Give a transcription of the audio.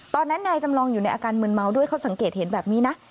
ตอนนั้นนายจำลองอยู่ในอาการมืนเมาด้วยเขาสังเกตเห็นแบบนี้นะ